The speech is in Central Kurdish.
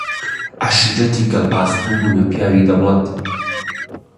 عەشیرەتی گەڵباخی ببوونە پیاوی دەوڵەت